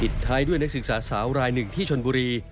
ท้ายด้วยนักศึกษาสาวรายหนึ่งที่ชนบุรี